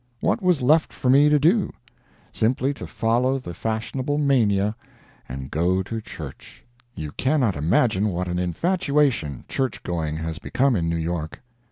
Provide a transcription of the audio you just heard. What was left for me to do? Simply to follow the fashionable mania, and go to church. You cannot imagine what an infatuation church going has become in New York.